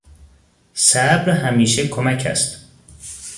صبر همیشه کمک است.